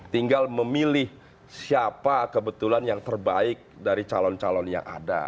tinggal memilih siapa kebetulan yang terbaik dari calon calon yang ada